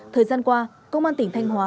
thời gian qua công an tỉnh thanh hóa